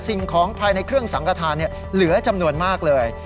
สิ่งของภายในเครื่องสังกฐานเหลือจำนวนมากเลย